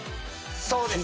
そうです